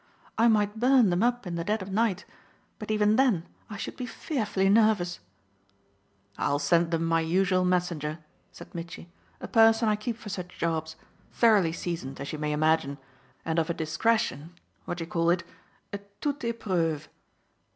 I might burn them up in the dead of night, but even then I should be fearfully nervous." "I'll send then my usual messenger," said Mitchy, "a person I keep for such jobs, thoroughly seasoned, as you may imagine, and of a discretion what do you call it? a toute epreuve.